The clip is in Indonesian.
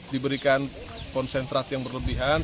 diberikan konsentrat yang berlebihan